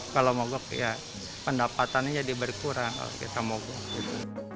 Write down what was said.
kalau mogok ya pendapatannya jadi berkurang kalau kita mogok gitu